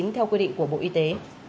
theo quy định của bộ y tế